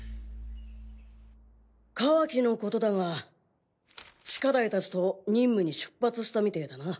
カワキのことだがシカダイたちと任務に出発したみてぇだな。